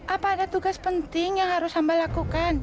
apa ada tugas penting yang harus hamba lakukan